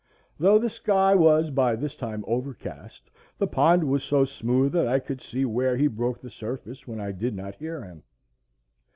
Though the sky was by this time overcast, the pond was so smooth that I could see where he broke the surface when I did not hear him.